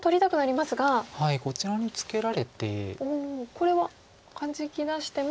これはハジき出しても。